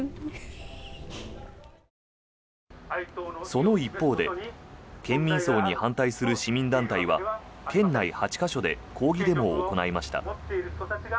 その一方で県民葬に反対する市民団体は県内８か所で抗議デモを行いました。